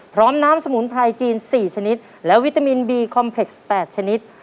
พร้อมน้ำสมุนไพรจีน๔ชนิดและวิตามินบีคอมเพล็กซ์๘ชนิด